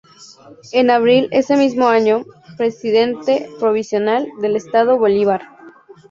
En abril de ese mismo año, Presidente provisional del Estado Bolívar.